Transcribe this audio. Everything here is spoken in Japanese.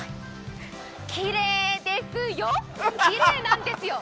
きれいですよ、きれいなんですよ！